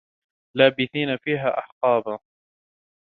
لَابِثِينَ فِيهَا أَحْقَابًا